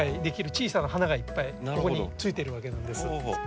小さな花がいっぱいここについてるわけなんです。